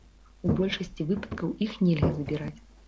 У большасці выпадкаў іх нельга забіраць.